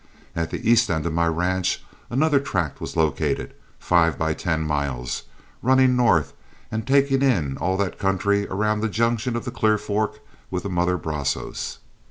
At the east end of my ranch another tract was located, five by ten miles, running north and taking in all that country around the junction of the Clear Fork with the mother Brazos.